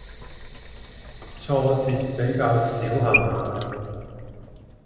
挫折比較少下嘛